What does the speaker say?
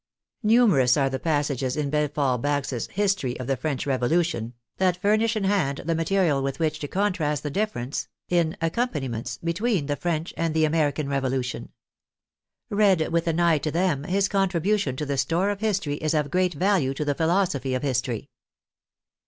Numerous are the passages in Belfort Bax' " History of the French Revolution " that furnish in hand the material with which to contrast the difference in " ac companiments " between the French and the American Revolution. Read with an eye to them, his contribution to the store of history is of great value to the philosophy of history.